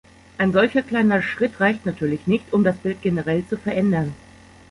Ein solcher kleiner Schritt reicht natürlich nicht, um das Bild generell zu verändern.